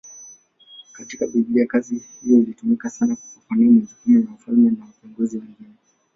Katika Biblia kazi hiyo ilitumika sana kufafanua majukumu ya wafalme na viongozi wengine.